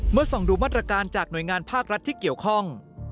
ส่องดูมาตรการจากหน่วยงานภาครัฐที่เกี่ยวข้อง